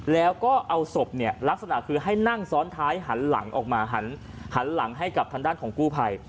แล้วก็เอาศพเนี่ยลักษณะคือให้นั่งซ้อนท้ายหันหลังออกมาหันหลังให้กับทางด้านของกู้ภัย